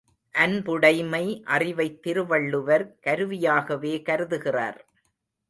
அன்புடைமை அறிவைத் திருவள்ளுவர் கருவியாகவே கருதுகிறார்.